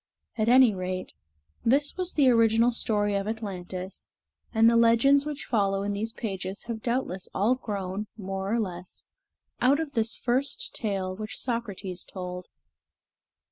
At any rate, this was the original story of Atlantis, and the legends which follow in these pages have doubtless all grown, more or less, out of this first tale which Socrates told.